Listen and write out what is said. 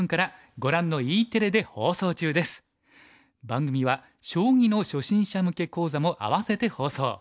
番組は将棋の初心者向け講座も併せて放送。